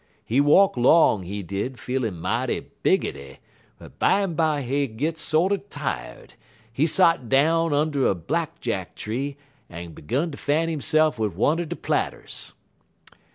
He walk 'long, he did, feelin' mighty biggity, but bimeby w'en he git sorter tired, he sot down und' a black jack tree, en 'gun to fan hisse'f wid one er der platters.